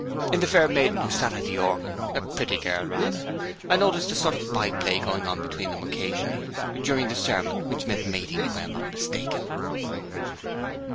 'In the fair maiden who sat at the organ, a pretty girl, rather. I noticed a sort of by play going on between them occasionally, during the sermon, which meant mating, if I am not mistaken.'